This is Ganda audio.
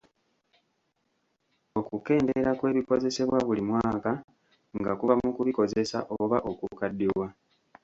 Okukendeera kw’ebikozesebwa buli mwaka nga kuva mu kubikozesa oba okukaddiwa.